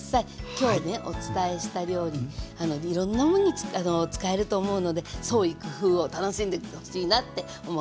今日ねお伝えした料理いろんなものに使えると思うので創意工夫を楽しんでほしいなって思っています。